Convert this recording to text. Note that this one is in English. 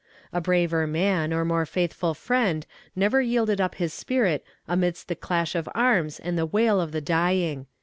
A braver man or more faithful friend never yielded up his spirit amidst the clash of arms and the wail of the dying."